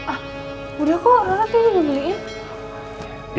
ah udah kok rara tuh udah beliin